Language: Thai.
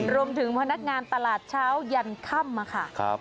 รวมถึงพนักงานตลาดเช้ายันค่ำค่ะ